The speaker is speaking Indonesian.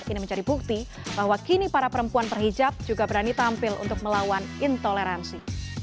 kini menjadi bukti bahwa kini para perempuan berhijab juga berani tampil untuk melawan intoleransi